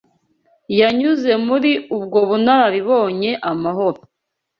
Yanyuze muri ubwo bunararibonye amahoro.